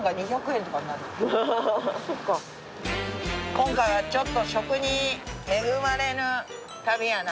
今回はちょっと食に恵まれぬ旅やな。